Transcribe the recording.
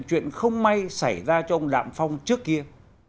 chuyện không may xảy ra cho ông đạm phong trước kia